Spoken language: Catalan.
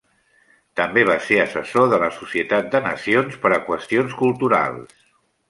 També va ser assessor de la Societat de Nacions per a qüestions culturals.